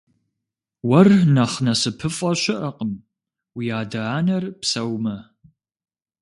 Уэр нэхъ насыпыфӏэ щыӏэкъым уи адэ-анэр псэумэ.